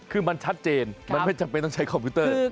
คือมันชัดเจนมันไม่จำเป็นต้องใช้คอมพิวเตอร์